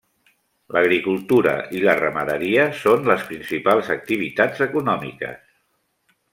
L'agricultura i la ramaderia són les principals activitats econòmiques.